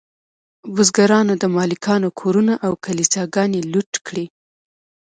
بزګرانو د مالکانو کورونه او کلیساګانې لوټ کړې.